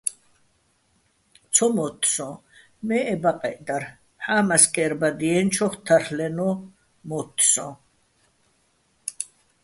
ცო მოთთ სოჼ მე ე ბაყეჸ დარ, ჰ̦ამას კერბადიენჩოხ თარლ'ენო̆ მოთთ სოჼ.